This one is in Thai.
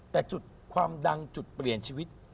แต่จุดความดังจุดเปลี่ยนชีวิต